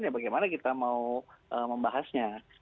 ya bagaimana kita mau membahasnya